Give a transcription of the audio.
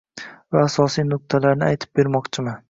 Va asosiy nuqtalarini aytib bermoqchiman.